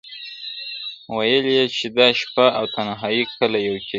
• وئيل يې چې دا شپه او تنهايۍ کله يو کيږي -